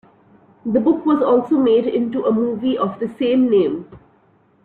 The book was also made into a movie of the same name.